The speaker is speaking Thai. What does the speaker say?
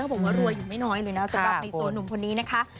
บอกว่ารวยอยู่ไม่น้อยเลยนะสำหรับไฮโซหนุ่มคนนี้นะคะ